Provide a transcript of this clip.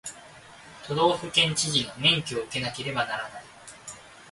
都道府県知事の免許を受けなければならない